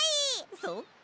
そっか。